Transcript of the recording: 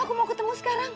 aku mau ketemu sekarang